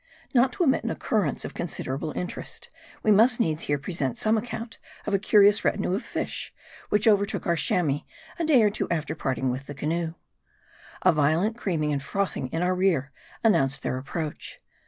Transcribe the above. NOT to omit an occurrence of considerable interest, we must needs here present some account of a curious retinue of fish which overtook our Chamois, a day or two after part ing with the canoe. A violent creaming and frothing in our rear announced their approach.